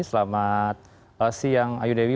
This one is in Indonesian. selamat siang ayu dewi